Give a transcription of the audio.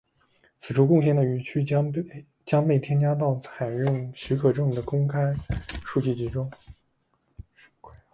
此处贡献的语句将被添加到采用许可证的公开数据集中。